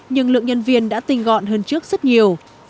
nhưng lượng nhân viên đã tinh gọn hơn trước rất nhiều